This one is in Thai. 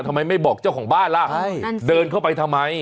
ทำไมไม่บอกเจ้าของบ้านล่ะเดินเข้าไปทำไม